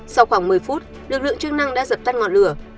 sau khoảng một mươi phút lực lượng chức năng đã dập tắt ngọn lửa